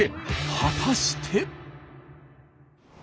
果たして。